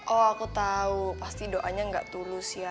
oh aku tau pasti doanya enggak tulus ya